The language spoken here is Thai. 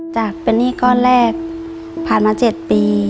จากเป็นหนี้ก้อนแรกผ่านมา๗ปี